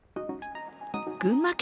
群馬県